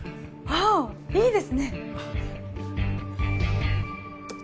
ああいいですね